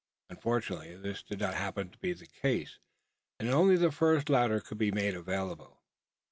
Unfortunately, this did not happen to be the case; and only the first ladder could be made available.